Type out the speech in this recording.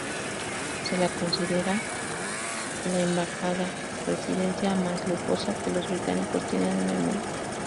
Se la considera la embajada-residencia más lujosa que los británicos tienen en el mundo.